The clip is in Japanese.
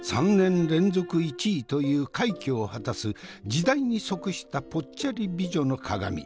３年連続１位という快挙を果たす時代に即したぽっちゃり美女の鑑。